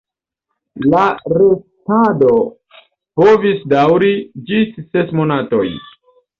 La restado povis daŭri ĝis ses monatoj.